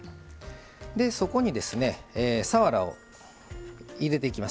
そこにですねさわらを入れていきます。